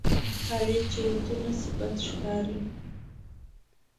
کالي چې اوتو نهشي، بد ښکاري.